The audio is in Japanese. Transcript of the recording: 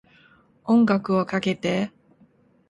音楽をかけて